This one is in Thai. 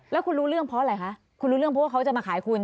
แล้วคุณรู้เรื่องเพราะอะไรคะคุณรู้เรื่องเพราะว่าเขาจะมาขายคุณ